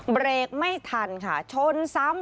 เบรกไม่ทันค่ะชนซ้ำ